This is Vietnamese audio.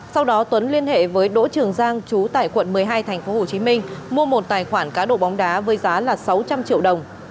sau đó tuấn liên hệ với đỗ trường giang chú tại quận một mươi hai thành phố hồ chí minh mua một tài khoản cá đổ bóng đá với giá là sáu trăm linh triệu đồng